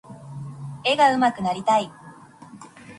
絵が上手くなりたい。